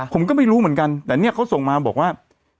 ผมก็ไม่รู้เหมือนกันแต่เนี่ยเขาส่งมาบอกว่า